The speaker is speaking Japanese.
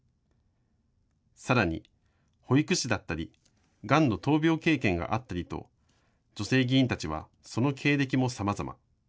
さらに保育士だったりがんの闘病経験があったりと女性議員たちはその経歴もさまざま。